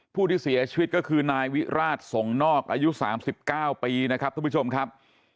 ผู้ที่เสียชีวิตก็คือนายวิราชส่งนอกอายุ๓๙ปีนะครับทุกผู้ชมครับ